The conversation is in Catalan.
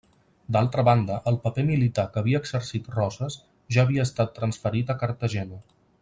D'altra banda, el paper militar que havia exercit Roses ja havia estat transferit a Cartagena.